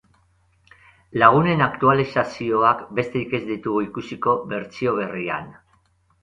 Lagunen aktualizazioak besterik ez ditugu ikusiko bertsio berrian.